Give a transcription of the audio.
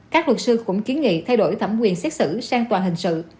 các luật sư cũng kiến nghị thay đổi thẩm quyền xét xử sang tòa hình sự